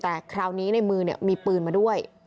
แต่คราวนี้ในมือมีปืนมาด้วย